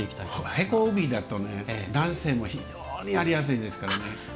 へこ帯だと男性も非常にやりやすいんですけどね。